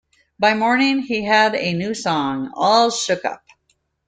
By morning, he had a new song, 'All Shook Up'.